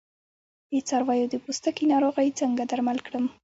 د څارویو د پوستکي ناروغۍ څنګه درمل کړم؟